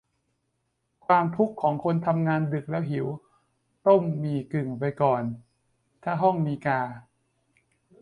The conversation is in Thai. ความทุกข์ของคนทำงานดึกแล้วหิว ต้มหมี่กึ่งไปก่อน ถ้าห้องมีกา